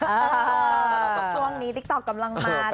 ช่วงนี้ติ๊กต๊อกกำลังมา